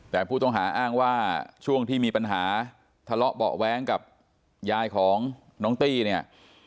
แต่ผู้ต้องหาอ้างว่าช่วงที่มีปัญหาทะเลาะเบาะแว้งกับยายของน้องตี้เนี่ย